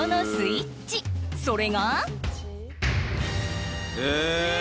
それがえ！